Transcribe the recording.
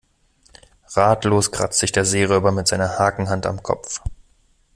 Ratlos kratzt sich der Seeräuber mit seiner Hakenhand am Kopf.